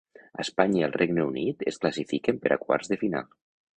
Espanya i el Regne Unit es classifiquen per a quarts de final.